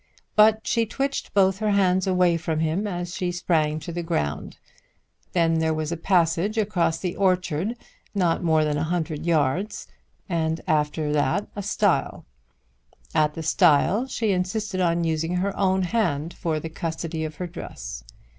But she twitched both her hands away from him as she sprang to the ground. Then there was a passage across the orchard, not more than a hundred yards, and after that a stile. At the stile she insisted on using her own hand for the custody of her dress.